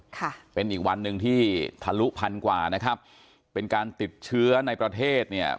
ค่ะเป็นอีกวันหนึ่งที่ทะลุพันกว่านะครับเป็นการติดเชื้อในประเทศเนี่ย